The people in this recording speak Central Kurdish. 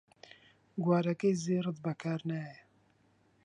گوارەکەی زێڕت بەکار نایە